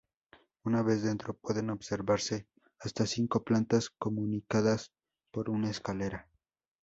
Una vez dentro pueden observarse hasta cinco plantas comunicadas por una escalera.